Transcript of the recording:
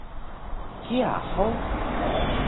Kiya hug?